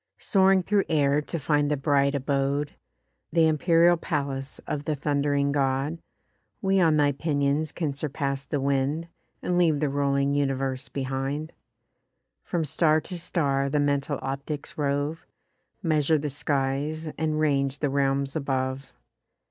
Soaring through air to find the bright abode, Th' empyreal palace of the thund'ring God, We on thy pinions can surpass the wind, And leave the rolling universe behind: From star to star the mental optics rove, Measure the skies, and range the realms above.